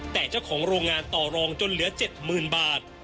แต่เจ้าของโรงงานต่อรองจนเหลือ๗๐๐๐บาท